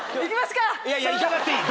いかなくていい！